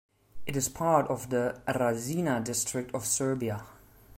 It is part of the Rasina District of Serbia.